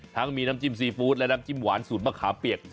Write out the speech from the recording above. ทั้งมีน้ำจิ้มซีฟู้ดและน้ำจิ้มหวานสูตรมะขามเปียก